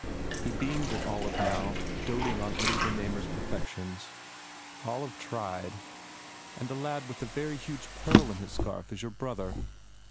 He beamed at Olive now, doting on Eddie Ber namer s perfections. Olive tried, "And tfye lad with the very huge pearl in his scarf is your brother?